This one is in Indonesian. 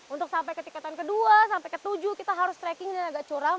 untuk sampai ke tingkatan kedua sampai ke tujuh kita harus tracking dan agak curam